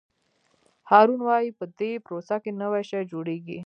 هارمون وایي په دې پروسه کې نوی شی جوړیږي.